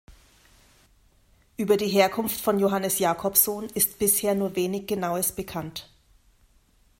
Über die Herkunft von Johannes Jacobsohn ist bisher nur wenig Genaues bekannt.